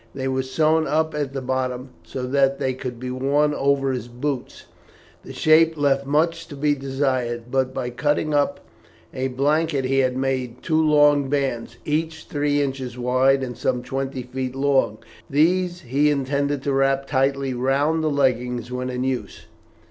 They were sewn up at the bottom, so that they could be worn over his boots. The shape left much to be desired, but by cutting up a blanket he made two long bands, each three inches wide and some twenty feet long. These he intended to wrap tightly round the leggings when in use.